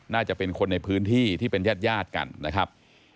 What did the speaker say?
น่าจะเป็นคนในพื้นที่ที่เป็นญาติญาติกันนะครับ